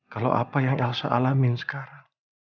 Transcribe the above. kalau apa yang elsa alamin sekarang